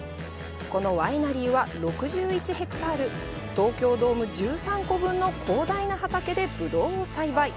このワイナリーは６１ヘクタール東京ドーム１３個分の広大な畑でブドウを栽培。